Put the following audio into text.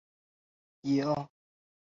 谢尔加奇斯基区。